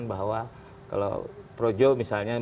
bahwa kalau projo misalnya